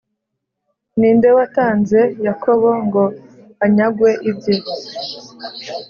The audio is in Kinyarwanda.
Ni nde watanze Yakobo ngo anyagwe ibye,